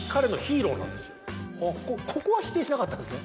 ここは否定しなかったんですね。